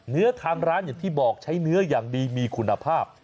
เนื้อทางร้านอย่างที่บอกใช้เนื้ออย่างดีมีคุณภาพ